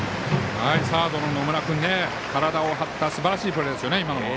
サードの野村君体を張ったすばらしいプレーです。